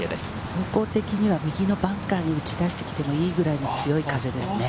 方向的には右のバンカーに打ち出してきてもいいくらいの強い風です。